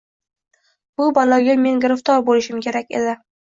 Bu baloga men giriftor bo‘lishim kerak edi